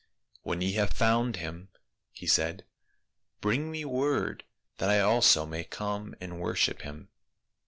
" When ye have found him," he said, "bring me word, that I also may come and wor ship him."